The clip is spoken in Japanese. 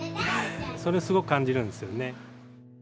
それをすごく感じるんですよね。